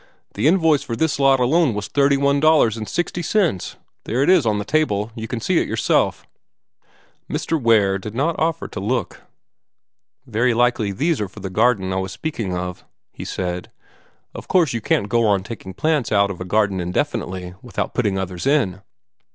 The invoice for this lot alone was thirty one dollars and sixty cents. There it is on the table. You can see it for yourself." Mr. Ware did not offer to look. "Very likely these are for the garden I was speaking of," he said. "Of course you can't go on taking plants out of a garden indefinitely without putting others in."